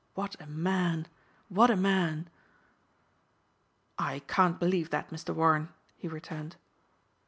What a man! What a man! "I can't believe that, Mr. Warren," he returned.